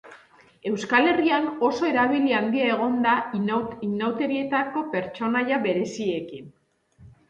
Euskal Herrian oso erabili handia egon da inauterietako pertsonaia bereziekin.